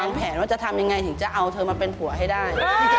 แผนว่าจะทำยังไงถึงจะเอาเธอมาเป็นผัวให้ได้